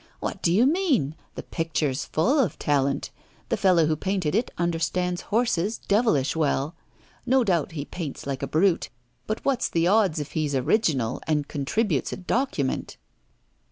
'What do you mean? The picture's full of talent. The fellow who painted it understands horses devilish well. No doubt he paints like a brute. But what's the odds if he's original, and contributes a document?